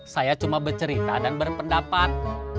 saya cuma bercerita dan berpendapat